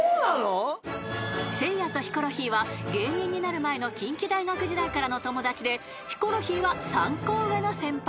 ［せいやとヒコロヒーは芸人になる前の近畿大学時代からの友達でヒコロヒーは３個上の先輩］